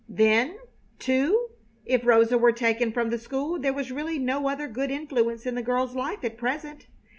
Then, too, if Rosa were taken from the school there was really no other good influence in the girl's life at present.